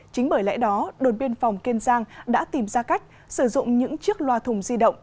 chính bởi lẽ đó đồn biên phòng kiên giang đã tìm ra cách sử dụng những chiếc loa thùng di động